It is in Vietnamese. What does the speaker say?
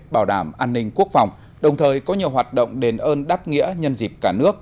bảo đảm an ninh quốc phòng đồng thời có nhiều hoạt động đền ơn đáp nghĩa nhân dịp cả nước